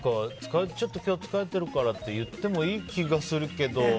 ちょっと今日疲れてるからって言ってもいい気がするけど。